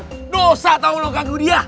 nggak usah tahu lo ganggu dia